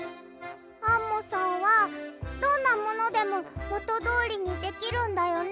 アンモさんはどんなものでももとどおりにできるんだよね？